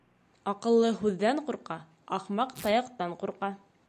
Аҡыллы һүҙҙән ҡурҡа, ахмаҡ таяҡтан ҡурҡа.